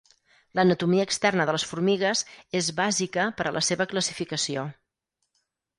L'anatomia externa de les formigues és bàsica per a la seva classificació.